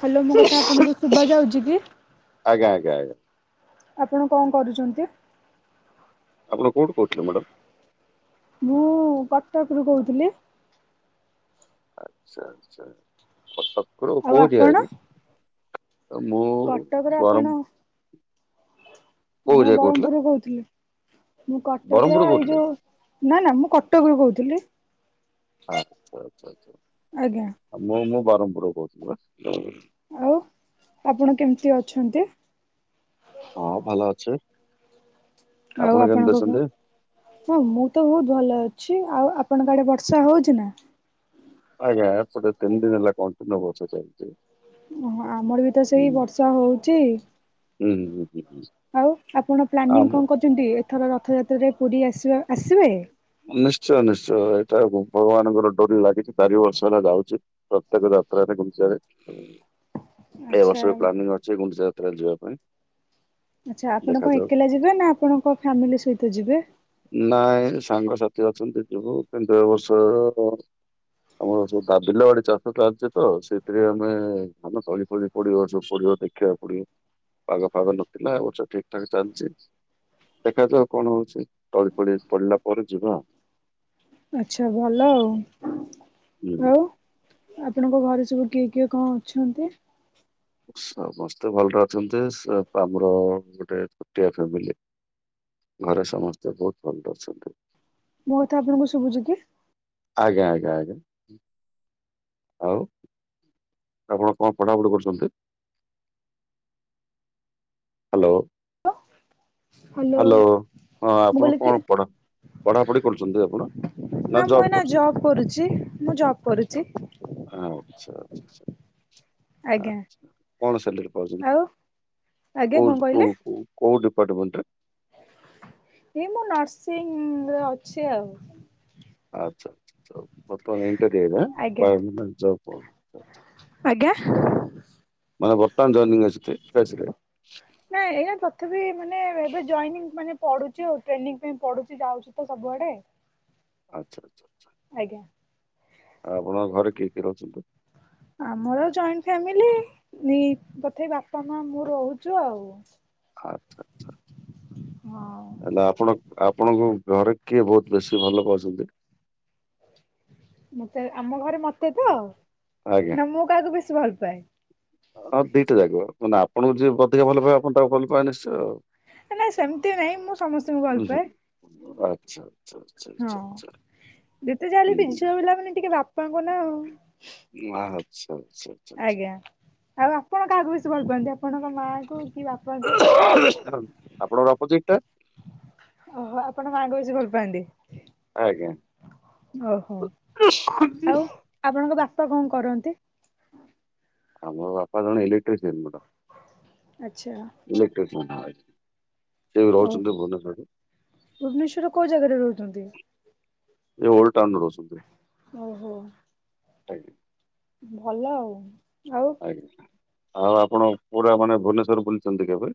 Hello ମୋ କଥା ଆପଣଙ୍କୁ ଶୁଭ ଯାଉଛି କି? ଆଜ୍ଞା ଆଜ୍ଞା ଆଜ୍ଞା ଆପଣ କଣ କରୁଛନ୍ତି? ଆପଣ କୋଉଠୁ କହୁଥିଲେ ମ୍ୟାଡ଼ାମ? ମୁଁ କଟକରୁ କହୁଥିଲି। ଆଛା ଆଚ୍ଛା କଟକ ଆଉ କୋଉ ଜାଗା ଆପଣ? କି? ମୁଁ କଟକରେ ଆପଣ ବରମ୍ ମୁଁ ଏରିଆ କହୁଥିଲେ? ବ୍ରହ୍ମପୁରରୁୁ କହୁଥିଲି ମୁଁ କଟକର ବ୍ରହ୍ମପୁର ଏଇ କହୁଥିଲେ ଯୋଉ ନା ନା ମୁଁ କଟକରୁ କହୁଥିଲି। ଆଛା ଆଚ୍ଛା ଆଛା। ଆଜ୍ଞା। ଆଉ ମୁଁ ମୁଁ ବ୍ରହ୍ମପୁର କହୁଥିଲି ବା। ଆଉ ଆପଣ କେମିତି ଅଛନ୍ତି? ହଁ ଭଲ ଅଛି। ଆପଣ ଆଉ କେମିତି ଆପଣଙ୍କ ଘ ଅଛନ୍ତି? ହଁ ମୁଁ ତ ବହୁତ ଭଲ ଅଛି। ଆଉ ଆପଣଙ୍କ ଆଡେ ବର୍ଷା ହଉଛି ନା? ଆଜ୍ଞା ଏପଟେ ତିନିଦିନି ହେଲା କଣ୍ଟିନିୟୁ ବର୍ଷା ଚାଳିଛି। ଓହୋ ଆମର ବି ତ ସେଇ ବର୍ଷା ହଉଛି। ହୁଁ ହୁଁ ହୁଁ ହୁଁ। ଆଉ ଆପଣ ପ୍ଲାନିଂ ଆମ କଣ କରୁଛନ୍ତି ଏଥର ରଥଯାତ୍ରାରେ ପୁରୀ ଆସିବା ଆସିବେ? ନିଶ୍ଚୟ ନିଶ୍ଚୟ ଏଇଟା ଭଗବାନଙ୍କ ର ଡୋରି ଲାଗିଛି ଚାରି ବର୍ଷ ହେଲା ଯାଉଚି। ପ୍ରତ୍ୟେକ ଯାତ୍ରାରେ ଗୁଣ୍ଡିଚା ରେ। ଏ ଆଚ୍ଛା ବର୍ଷର ପ୍ଲାନିଂ ଅଛି ଗୁଣ୍ଡିଚା ଯାତ୍ରା ଯିବା ପାଇଁ। ଆଚ୍ଛା ଆପଣ କଣ ଦେଖାଯାଉ ଏକେଲା ଯିବେ ନା ଆପଣଙ୍କ ଫ୍ୟାମିଲି ସହିତ ଯିବେ? ନାଇଁ ସାଙ୍ଗସାଥି ଅଛନ୍ତି ଯିବୁ କିନ୍ତୁ ଏ ବର୍ଷ ଆମର ସବୁ ବିଲ ବାଡ଼ି ଚାଷ ଚାଲିଛି ତ ସେଥିରେ ଆମେ ଧାନ ତଳି ପଳି ପଡ଼ିବ ସବୁ ପଡ଼ିବ ଦେଖିବାକୁ ପଡ଼ିବ ପାଗ ଫାଗ ନଥିଲା [unintelligible] ଠିକ୍ ଠାକ୍ ଚାଲିଛି। ଦେଖାଯାଉ କଣ ହଉଛି ତଳି ପଳି ପଡ଼ିଲା ପରେ ଯିବା। ଆଚ୍ଛା ଭଲ ହୁଁ ଆଉ ଆପଣ ଙ୍କ ଘରେ ସବୁ କିଏ କିଏ କଣ ଅଛନ୍ତି? ସମସ୍ତେ ଭଲରେ ଅଛନ୍ତି ଆମର ଗୋଟେ ଛୋଟିଆ ଫ୍ୟାମିଲି। ଘରେ ସମସ୍ତେ ବହୁତ୍ ଭଲ ରେ ଅଛନ୍ତି। ମୋ କଥା ଆପଣଙ୍କୁ ଶୁଭୁଛି କି? ଆଜ୍ଞା ଆଜ୍ଞା ଆଜ୍ଞା। ଆଉ ଆପଣ କଣ ପଢ଼ାପଢ଼ି କରୁଚନ୍ତି? ହ୍ୟାଲୋ ହ୍ୟାଲୋ ହଁ ମୁଁ ଆପଣ କହିଲି କି କଣ ପଢା଼ ପଢ଼ାପଢି କରୁଛନ୍ତି ଆପଣ। ନା ମୁଁ ଏଇନା ଜବ୍ କରୁଛି ମୁଁ ଜବ୍ କରୁଛି। ଆଚ୍ଛା ଆଚ୍ଛା ଆଜ୍ଞା ଆଚ୍ଛା କଣ ସାଲେରୀ ପାଉଛନ୍ତି? ଆଉ ଆଜ୍ଞା କୋଉ କଣ କହିଲେ? କୋଉ କୋଉ ଡିପାର୍ଟମେଣ୍ଟ ରେ? ଏଇ ମୁଁ ନର୍ସିଂ ରେ ଅଛି ଆଉ। ଆଚ୍ଛା ଆଚ୍ଛା ହଉ ଆଜ୍ଞା। [unintelligible] ଆଜ୍ଞା। ମାନେ ବର୍ତ୍ତମାନ ଜଇନିଙ୍ଗ୍ ଆସିଛି [unintelligible] ନାଇଁ ଏଇନେ ତଥାପି ମାନେ ଏବେ ଜଇନିଙ୍ଗ୍ ମାନେ ପଢୁଛି ଆଉ ଟ୍ରେନିଂ ପାଇଁ ପଢୁଛି ଯାଉଛି ତ ସବୁଆଡ଼େ। ଆଚ୍ଛା ଆଚ୍ଛା ଆଚ୍ଛା। ଆଜ୍ଞା। ଆଉ ଆପଣଙ୍କ ଘରେ କିଏ କିଏ ରହୁଛନ୍ତି? ଆମର ଜଏଣ୍ଟ୍ ଫ୍ୟାମିଲି ତଥାପି [unintelligible] ବାପା, ମା, ମୁଁ ରହୁଛୁ ଆଉ। ଆଚ୍ଛା ଆଚ୍ଛା। ହଁ ହେଲା ଆପଣ ଆପଣଙ୍କ ଘରେ କିଏ ବହୁତ ବେଶୀ ଭଲ ପାଉଚନ୍ତି? ମତେ ଆମ ଘରେ ମତେ ତ ଆଜ୍ଞା। ନା ମୁଁ କାହାକୁ ବେଶୀ ଭଲ ପାଏ। ହଁ ଦିଟା ଜାକ ମାନେ ଆପଣଙ୍କୁ ଯିଏ ଅଧିକ ଭଲପାଇବ ଆପଣ ତାକୁ ଭଲ ପାଇବେ ନିଶ୍ଚୟ। ନାଇଁ ସେମିତି ନାଇଁ ମୁଁ ସମସ୍ତଙ୍କୁ ହୁଁ ଭଲ ହୁଁ। ପାଏ। ଆଚ୍ଛା ଆଚ୍ଛା। ଆଚ୍ଛା ହଁ ଆଚ୍ଛା ଯେତେ ଯାହାହେଲେ ବି ହୁଁ ଝିଅ ପିଲାମାନେ ଟିକେ ବାପାଙ୍କୁ ନା [unintelligible] ଆଚ୍ଛା ଆଚ୍ଛା। ଆଚ୍ଛା ଆଚ୍ଛା। ଆଜ୍ଞା ଆଉ ଆପଣ କାହାକୁ ବେଶୀ ଭଲ ପାଆନ୍ତି ଆପଣଙ୍କ ମାଆଙ୍କୁ କି ବାପାଙ୍କୁ? ଆପଣଙ୍କର ଅପୋଜିଟ୍ ଟା। ଓହୋ ଆପଣ ମା ଙ୍କୁ ବେଶୀ ଭଲ ପାଆନ୍ତି। ଆଜ୍ଞା। ଓହୋ। ଆଉ ଆପଣଙ୍କ ବାପା କଣ କରନ୍ତି? ଆମ ବାପା ଜଣେ ଇଲେକ୍ଟ୍ରିସିଆନ୍ [unintelligible] ଆଚ୍ଛା। ଇଲେକ୍ଟ୍ରିସିଆନ୍। ସେ ବି ଓ ରହୁଛନ୍ତି ଭୁବନେଶ୍ୱର ରେ। ଭୁବନେଶ୍ଵର କୋଉ ଜାଗାରେ ରହୁଛନ୍ତି? ଯୋଉ ଓଲ୍ଡ ଟାଉନ୍ ରେ ରହୁଛନ୍ତି। ଓ ହୋ। ଆଜ୍ଞା। ଭଲ ଆଉ। ଆଉ ଆଜ୍ଞା ଆଉ ଆପଣ ପୁରା ମାନେ ଭୁବନେଶ୍ୱର ବୁଲିଛନ୍ତି କେବେ?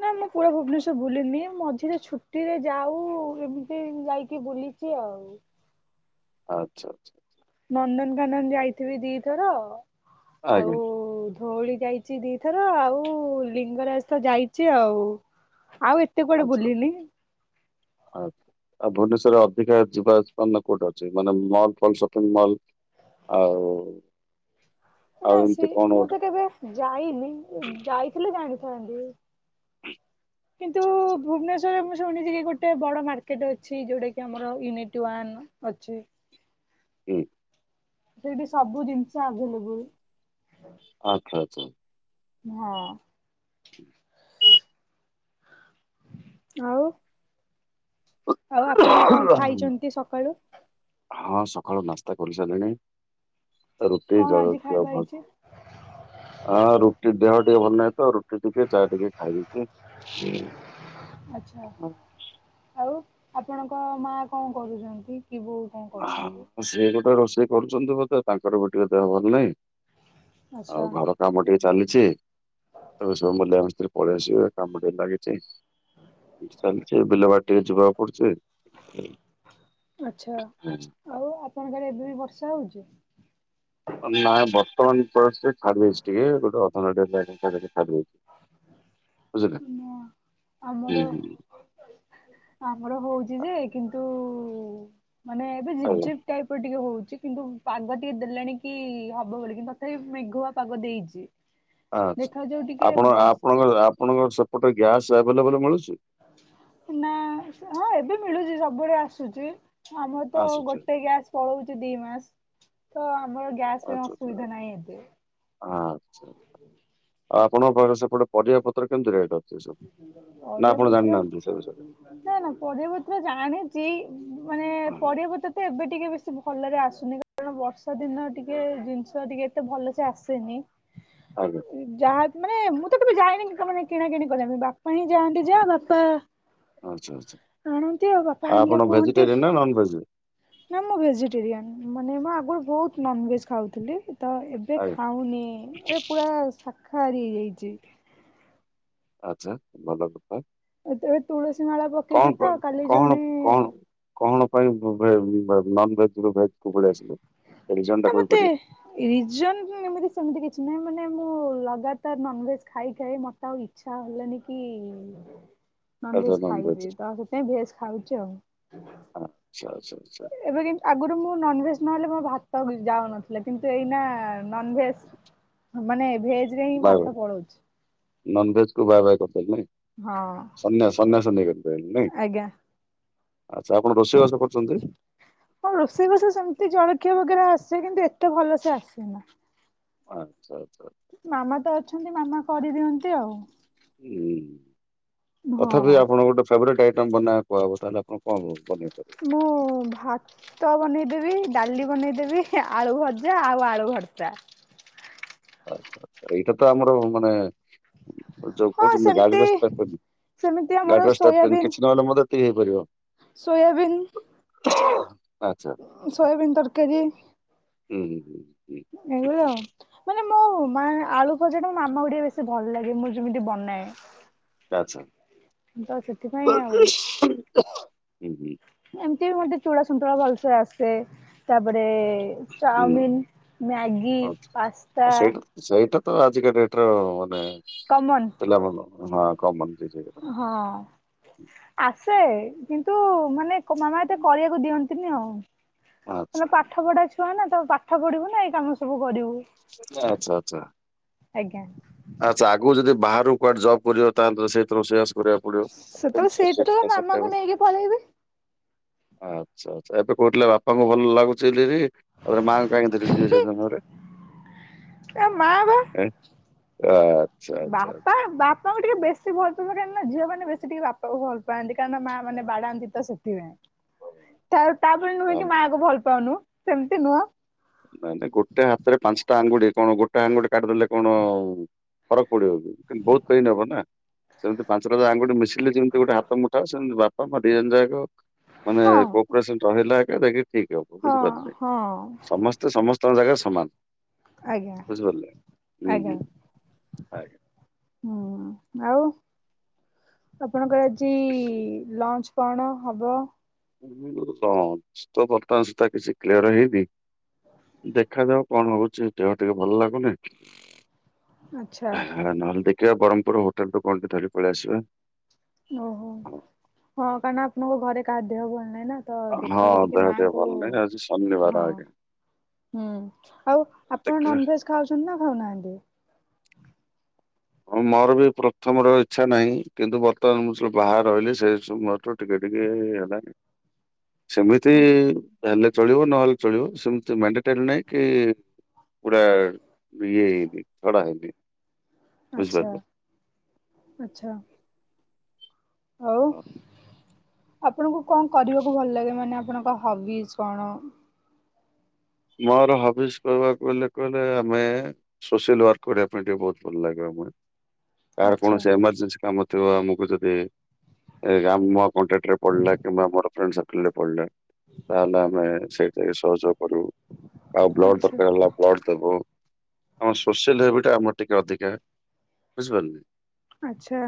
ନା ମୁଁ ପୁରା ଭୁବନେଶ୍ୱର ବୁଲିନି। ମଝିରେ ଛୁଟିରେ ଯାଉ ଏମିତି ଯାଇକି ବୁଲି ଚି ଆଉ। ଆଛା ଆଛା। ନନ୍ଦନକାନନ ଯାଇଥିବି ଦିଥର ଆଉ ଆଜ୍ଞା ଧଉଳି ଯାଇଛି। ଦିଥର ଆଉ ଲିଙ୍ଗରାଜ ତ ଯାଇଛି ଆଉ। ଆଉ ଏ ଆଛା ଆଛା। ଆଉ ଭୁବନେଶ୍ଵରରେ ଅଧିକା ଯିବା କୋଉଁଠି ଅଛି ମାନେ ମଲ ଫଲ ସପିଙ୍ଗ ମଲ? ଆଉ ନା ଆଉ ଏମିତି ସେ କଣ ମୁଁ ଗୋଟେ ତ କେବେ ଯାଇନି ଯାଇଥିଲେ ଜାଣିଥାନ୍ତି। କିନ୍ତୁ ଆଚ୍ଛା ଆଚ୍ଛା ଭୁବନେଶ୍ୱର ମୁଁ ଶୁଣିଛି କି ଗୋଟେ ବଡ଼ ମାର୍କେଟ ଅଛି। ଯୋଉଁଟା କି ଆମର ୟୁନିଟ ୱନ୍ ଅଛି। ହୁଁ। ସେଇଠି ସବୁ ଜିନିଷ ଆଭେଲେବୁଲ। ଆଛା ଆଛା। ହଁ। ଆଉ ଆଉ ଆପଣ କଣ ଖାଇଛନ୍ତି ସକାଳୁ। ହଁ ସକାଳୁ ନାସ୍ତା କରି ସାରିଲିଣି ରୁଟି କଣ ଆଜି ଜଳଖିଆ ଖାଇବା ଉଭୟ ହେଇଛି? [unintelligible] ହଁ ରୁଟି ଦେହ ଟିକେ ଭଲ ନାହିଁ ତ ରୁଟି ଟିକେ ତାହା ଟିକେ ଖାଇଦେଇଛି। ଆଛା ଆଉ ଆପଣଙ୍କ ମା କଣ କରୁଛନ୍ତି କି ବୋଉ? କଣ କରୁଛନ୍ତି? ହଁ ସେଏ ଗୋଟେ ରୋଷେଇ କରୁଛନ୍ତି ବୋଧେ ତାଙ୍କର ବି ଟିକେ ଦେହ ଭଲ ନାହିଁ। ଆଚ୍ଛା ଆଉ ଘର କାମ ଟିକେ ଚାଲିଚି ଏବେ ସବୁ ମୁଲିଆ ମିସ୍ତ୍ରୀ ପଳେଇ ଆସିବେ କାମ ଟିକେ ଲାଗିଛି। ଚାଲିଚି ବିଲବାଡ଼ି ଟିକେ ଯିବାକୁ ପଡୁଛି। ଆଛା। ହୁଁ। ଆଉ ଆପଣଙ୍କରେ ଏବେ ବି ବର୍ଷା ହଉଛି। ନାଁ ବର୍ତ୍ତମାନ ପରେ ସେ ଛାଡି ଯାଇଚି ଟିକେ ଗୋଟେ। [unintelligible] ବୁଝିଲେ ନା ହୁଁ ଆମର ହୁଁ ଆମର ହଉଛି ଯେ କିନ୍ତୁ ମାନେ ଏବେ ଆଜ୍ଞା ଝିପିଝିପି ଟାଇପ ର ଟିକେ ହଉଛି। କିନ୍ତୁ ପାଗ ଟିକେ ଦେଲାଣି କି ହବ ବୋଲି କିନ୍ତୁ ତଥାପି ମେଘୁଆ ପାଗ ଦେଇଛି। ଆଛା ଦେଖାଯାଉ ଟିକେ ଆପଣ ବର୍ଷ ଆପଣଙ୍କ ଆପଣଙ୍କ ସେପଟେ ଗ୍ୟାସ୍ ଆଭେଲେବଲ ମିଳୁଛି। ନା ହଁ ଏବେ ମିଳୁଛି ସବୁବେଳେ ଆସୁଛି। ଆମର ତ ଆସୁଛି। ଗୋଟେ ଗ୍ୟାସ ପଳଉଛି ଦି ମାସ ତ ଆମର ଗ୍ୟାସ ଅସୁବିଧା ନାହିଁ ଏବେ। ଆଛା ଆଉ ଆପଣଙ୍କ ପାଖରେ ସେପଟେ ପରିବାପତ୍ର କେମିତି ରେଟ୍। ଛି ନା ପରିବା ଆପଣ ପତ୍ର ଜାଣିନାହାନ୍ତି ସେ ବିଷୟରେ। ନା ନା ପରିବାପତ୍ର ଜାଣିଚି ମୁଁ ପରିବାପତ୍ର ଏବେ ଟିକେ ବେଶୀ ଭଲରେ ଆସୁନି। କାରଣ ବର୍ଷା ଦିନ ଟିକେ ଜିନିଷ ଟିକେ ଏତେ ଭଲସେ ଆସେନି। ଆଜ୍ଞା। ଯାହା ମାନେ ମୁଁ ତ କେବେ ଯାଇନି କି କିଣା କିିଣି ବାପା ହିଁ ଯାଆନ୍ତି ଯା ବାପା ଆଚ୍ଛା ଆଚ୍ଛା ଆଣନ୍ତି ଆଉ ବାପା ଆପଣ ଆଣିଲେ କୁହନ୍ତି ଭେଜିଟେରିଆନ ନା ନନ ଭେଜ ନା ମୁଁ ଭେଜିଟେରିଆନ୍ ମାନେ ମୁଁ ଆଗରୁ ବହୁତ ନନଭେଜ୍ ଖାଉଥିଲି ତ ଏବେ ଏବେ ଆଜ୍ଞା ଖାଉନି ଏବେ ପୁରା ଶାଖହାରି ହେଇଯାଇଛି। ଆଛା ଭଲ କଥା। ଏବେ ତୁଳସୀ ପକେ କଣ କହିବି କଣ କଣ କଣ ପାଇଁ ବ-ଭେ-ଭେ ନନଭେଜରୁ ଭେଜକୁ ପଳେଇ ଆସିଲୁ, ତ ରିଜନଟା ମତେ କହିପାରିବେ? ରିଜନ ହିଁ ଏମିତି ସେମିତି କିଛି ନାହିଁ, ମାନେ ମୁଁ ଲଗାତାର ନନଭେଜ ଖାଇ ଖାଇ ମତେ ତେ ଆଉ ଇଚ୍ଛା ହେଲାନି କି [inaudible] ନନଭେଜ ନନ ଭେଜ ଖାଇବି ତ ସେଥିପାଇଁ ଭେଜ ଖାଉଛି ଆଉ। ଆଚ୍ଛା ଆଚ୍ଛା ଆଚ୍ଛା। ଏବେ କିନ୍ତୁ ଆଗୁରୁ ମୁଁ ନନଭେଜ୍ ନହେଲେ ମୋ ଭାତ ଯାଉନଥିଲା କିନ୍ତୁ ଏଇନା ନନଭେଜ ମାନେ ଭେଜରେ ହିଁ ଭାତ ପଳଉଛି। ନନଭେଜକୁ ବାଏ ବାଏ କରିଦେବେ ନୁହେଁ। ହଁ। ସନ୍ନ୍ୟାସ ସନ୍ନ୍ୟାସ ନେଇଗଲ କି ପ୍ରାୟ ନାଇଁ? ଆଜ୍ଞା। ଆଚ୍ଛା ଆପଣ ରୋଷେଇ ବାସ କରୁଛନ୍ତି? ହଁ ରୋଷେଇବାସ ସେମିତି ଜଳଖିଆ ବଗେରା ଆସେ କିନ୍ତୁ ଏତେ ଭଲ ସେ ଆସେନା। ଆଚ୍ଛା ଆଚ୍ଛା। ମାମା ତ ଅଛନ୍ତି, ମାମା କରିଦିଅନ୍ତି ଆଉ। ହୁଁ, ହଁ ତଥାପି ଆପଣ ଗୋଟେ ସବରେଟ୍ ଆଇଟମ୍ ବନେଇବାକୁ କୁହାହବ, ତାହେଲେ ଆପଣ କଣ କଣ ବନେଇପାରିବେ? ମୁଁ ଭାତ ତ ବନେଇଦେବି, ଡାଲି ବନେଇଦେବି, ଆଳୁ ଭଜା ଆଉ ଆଳୁ ଭର୍ତା। ଆଚ୍ଛା ଆଚ୍ଛା। ଏଇଟା ତ ଆମର ମାନେ ଯୋଉ ହଁ କହୁଛନ୍ତି ଗାଡି ସେମିତି ସେମିତି ଆମର [unintelligible] କିଛି ନହେଲେ ମଧ୍ୟ ଟି ହେଇପାରିବ। ସୋୟାବିନ ହ ସୋୟାବିନ ତରକାରୀ ହୁଁ ହୁଁ ହୁଁ। ହୁଁ ଏଇଭଳିଆ ଆଉ। ମାନେ ମୋ ମା ଆଳୁ ଭଜାଟା ମୋ ମାମାକୁ ଟିକେ ବେଶୀ ଭଲ ଲାଗେ, ମୁଁ ଯେମିତି ବନାଏ। ଆଚ୍ଛା। ତ ସେଥିପାଇଁ ଆଉ। ହୁଁ ହୁଁ ଏମିତି ବି ମତେ ଚୁଡ଼ା ସନ୍ତୁଳା ଭଲସେ ଆସେ। ତାପରେ ହୁଁ ଚାଓମିନ, ମ୍ୟାଗି, ଆଚ୍ଛା। ପାସ୍ତା ଆଉ ସେଇଟା ସେଇଟା ତ ଆଜିକା ଡେଟର ମାନେ କମନ ପିଲାମାନେ ହଁ କମନ୍ ସେଇ ସେଇଟା। ହଁ ଆସେ, କିନ୍ତୁ ମାନେ ମାମା ଏତେ କରିବାକୁ ଦିଅନ୍ତିନି ଆଉ। ଆଚ୍ଛା ମାନେ ପାଠ ପାଠପଢ଼ା ଛୁଆ ନା, ତ ପାଠ ପଢ଼ିବୁ ନା ଏଇ କାମ ସବୁ କରିବୁ। ନାଁ, ଆଚ୍ଛା ଆଚ୍ଛା। ଆଜ୍ଞା। ଆଚ୍ଛା। ଆଗୁକୁ ଯଦି ବାହାରୁକୁ କୁଆଡେ ଜବ କରିବ ତାହେଲେ ସେ ତ ରୋଷେଇବାସ କରିବାକୁ ପଡିବ। ସେତେବେଳେ ସେତେବେଳେ [unintelligible] ସାତଟା ମାମାଙ୍କୁ ବେଳେ। ନେଇକି ପଳେଇବି ଆଚ୍ଛା ଆଚ୍ଛା। ଏବେ କହୁଥିଲେ ବାପାଙ୍କୁ ଭଲ ଲାଗୁଛି ବିଲି କିରି, ତାପରେ ମା [unintelligible] ଭାବରେ ଆ ମା ବା, ଆଚ୍ଛା ଆଚ୍ଛା ଆଚ୍ଛା। ବାପା- ବାପାଙ୍କୁ ଟିକେ ବେଶୀ ଭଲ ପାଇବା କାହିଁକିନା ଝିଅମାନେ ବେଶୀ ଟିକେ ବାପାକୁ ଭଲ ପାଆନ୍ତି, କାରଣ ମାଆମାନେ ବାଡ଼ାନ୍ତି ତ ସେଥିପାଇଁ। ତା ତାପରେ ନୁହେଁ କି ମାକୁ ଭଲ ପାଉନୁ, ସେମତି ନୁହଁ। ନାଇଁ ନାଇଁ, ଗୋଟେ ହାତରେ ପାଞ୍ଚଟା ଆଙ୍ଗୁଟି, କଣ ଗୋଟେ ଆଙ୍ଗୁଟି କାଟିଦେଲେ କଣ ଆଉ ଫରକ ପଡିବ କି, କିନ୍ତୁ ବହୁତ ପେନ୍ ହବ ନା? ସେମିତି ପାଞ୍ଚଟା ଯାକ ଆଙ୍ଗୁଟି ମିଶିଲେ ଯେମିତି ଗୋଟେ ହାତ ମୁଠା ହୁଏ, ସେମତି ବାପା ମା ଦି ଜଣ ଯାକ ମାନେ ହଁ କୋପରେସନ ରହିଲା ଆକା ଯାଇକି ଠିକ ହବ, ହଁ ବୁଝିପାରୁଛନ୍ତି? ହଁ ସମସ୍ତେ ସମସ୍ତଙ୍କ ଜାଗାରେ ସମାନ। ଆଜ୍ଞା ବୁଝିପାରିଲେ ଆଜ୍ଞା ହୁଁ-ହୁଁ ଆଜ୍ଞା। ହୁଁ ଆଉ ଆପଣଙ୍କର ଆଜି ଲଞ୍ଚ କଣ ହବ? ଲଞ୍ଚ ତ ବର୍ତ୍ତମାନ ସୁଦ୍ଧା କିଛି କ୍ଲିୟର ହେଇନି। ଦେଖାଯାଉ କଣ ହଉଛି ଦେହ ଟିକେ ଭଲ ଲାଗୁନି। ଆଚ୍ଛା ହେରା ନହେଲେ ଦେଖିବା ବ୍ରହ୍ମପୁର ହୋଟେଲରୁ କଣଟେ ଧରି ପଳେଇ ଆସିବା। ଓହୋ ହଁ କାରଣ ଆପଣଙ୍କ ଘରେ କାହା ଦେହ ଭଲ ନାହିଁ ନା। ତ ହଁ ଦେଖିକି ଦେହ ଟିକେ ମାଆଙ୍କୁ ଭଲ ନାହିଁ ଆଜି ହଁ ଶନିବାର ଆଜ୍ଞା। ହୁଁ ଆଉ ଆପଣ ଦେଖିବା ନନଭେଜ୍ ଖାଉଚନ୍ତି ନା ଖାଉନାହାନ୍ତି? ହଁ ମୋର ବି ପ୍ରଥମରୁ ଇଚ୍ଛା ନାହିଁ କିନ୍ତୁ ବର୍ତ୍ତମାନ ମୁଁ ସେ ବାହାରେ ରହିଲି ସେବୁ [unintelligible] ଟିକେ-ଟିକେ ହେଲା ସେମିତି ହେଲେ ଚଳିବ ନହେଲେ ଚଳିବ ସେମତି ମେଣ୍ଡାଟେରି ନାଇଁ କି ପୁରା ଇଏ ଛଡା ହେଇନି। ବୁଝିପାରିଲେ ଆଚ୍ଛା-ଆଚ୍ଛା। ଆଉ ହଁ। ଆପଣଙ୍କୁ କଣ କରିବାକୁ ଭଲ ଲାଗେ ମାନେ ଆପଣଙ୍କ ହବିଜ୍ କଣ? ମୋର ହବିଜ୍ କହିବାକୁ ଗଲେ କହିଲେ ଆମେ ସୋସିଆଲ ୱାର୍କ କରିବା ପାଇଁ ଟିକେ ବହୁତ୍ ଭଲ୍ ଲାଗେ, କହାର ଆଚ୍ଛା କୌଣସି ଏମର୍ଜେନ୍ସି କାମ ତ ଆମକୁ ଯଦି ମୋ କଣ୍ଟାକ୍ଟରେ ପଡିଲା କିମ୍ବା ମୋର ଫ୍ରେଣ୍ଡ ସର୍କଲ ରେ ପଡିଲା ତାହେଲେ ଆମେ ସେଇଟି ଯାଇକି ସହଯୋଗ କରୁ, ଆଉ ବ୍ଲଡ ଆଚ୍ଛା ଦରକାର ହେଲା ବ୍ଲଡ୍ ଦବୁ, ଆମ ସୋସିଆଲ ହେବିଟା ଆମର ଟିକେ ଅଧିକା ବୁଝିପାରିଲେ। ଆଛା।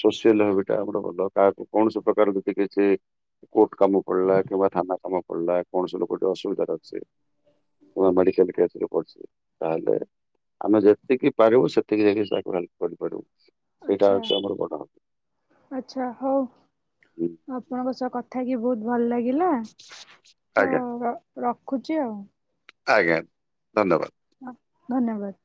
ସୋସିଆଲ୍ ହବିଟା ଆମର ଭଲ, କାହାକୁ କୌଣସି ପ୍ରକାର ଯଦ କିଛି କୋର୍ଟ କାମ ପଡିଲା କିମ୍ବା ଥାନା କାମ ପଡିଲା କୌଣସି ଲୋକଟି ଅସୁବିଧାରେ ଅଛି କିମ୍ବା ମଡ଼ିକେଲ୍ କେସରେ ପଡିଚି ତାହେଲେ ଆମେ ଯେତିକି ପାରିବୁ ସେତିକି ଯାଇକି ତାକୁ ହେଲ୍ପ କରିପାରିବୁ। ସେଇଟା ଆଚ୍ଛା ହଉଛି ଆମର [unintelligible] ଆଚ୍ଛା ହଉ ହୁଁ। ଆପଣଙ୍କ ସହ କ ଥା ହେଇକିି ବହୁତ୍ ଭଲ୍ ଲାଗିଲା ତ ଆଜ୍ଞା ରଖୁଚି ଆଉ। ଆଜ୍ଞା ଧନ୍ୟବାଦ୍। ଧନ୍ୟବାଦ୍।